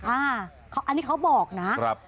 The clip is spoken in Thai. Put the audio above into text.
อันนี้เขาบอกนะ